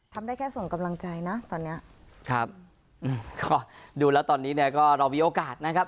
ได้แค่ส่งกำลังใจนะตอนเนี้ยครับอืมก็ดูแล้วตอนนี้เนี่ยก็เรามีโอกาสนะครับ